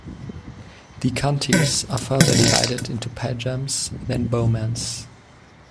The counties are further divided into "Payams", then "Bomas".